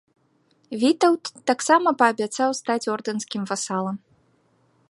Вітаўт таксама паабяцаў стаць ордэнскім васалам.